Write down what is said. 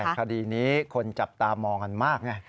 คดีนี้คนจับตามองกันมากไง